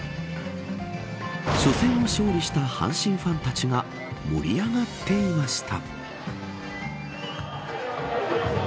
初戦を勝利した阪神ファンたちが盛り上がっていました。